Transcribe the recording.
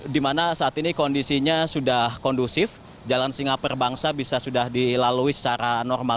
di mana saat ini kondisinya sudah kondusif jalan singapura bangsa bisa sudah dilalui secara normal